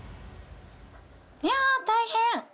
いや大変！